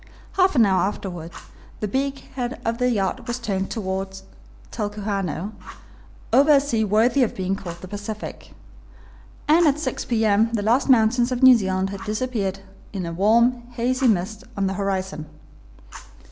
Half an hour afterward the beak head of the yacht was turned toward Talcahuano, over a sea worthy of being called the Pacific, and at six P. M. the last mountains of New Zealand had disappeared in warm, hazy mist on the horizon.